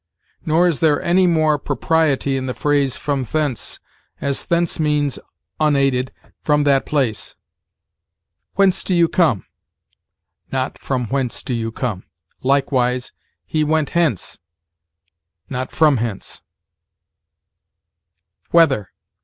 Nor is there any more propriety in the phrase from thence, as thence means unaided from that place. "Whence do you come?" not "From whence do you come?" Likewise, "He went hence," not "from hence." WHETHER.